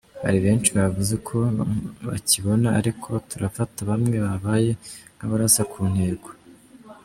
Hari benshi bavuze uko bakibona ariko turafata bamwe babaye nk’abarasa ku ntego.